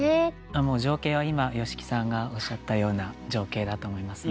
もう情景は今吉木さんがおっしゃったような情景だと思いますね。